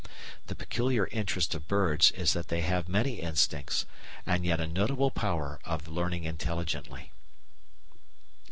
The peculiar interest of birds is that they have many instincts and yet a notable power of learning intelligently.